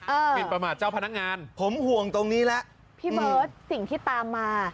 หมินประมาทเจ้าพนักงานผมห่วงตรงนี้แล้วพี่เบิร์ตสิ่งที่ตามมา